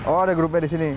oh ada grupnya disini